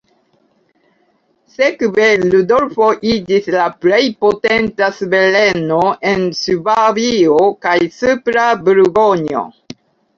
Sekve Rudolfo iĝis la plej potenca suvereno en Ŝvabio kaj Supra Burgonjo.